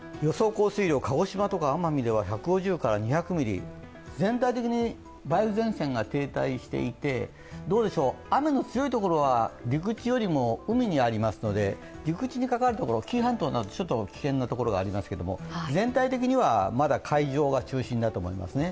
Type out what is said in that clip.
降水量、鹿児島とか奄美では１５０とか２００ミリ、全体的に梅雨前線が停滞していて、雨の強いところは陸地よりも海にありますので、陸地にかかるところ、紀伊半島はちょっと危険なところがありますけれども、全体的にはまだ海上が中心だと思いますね。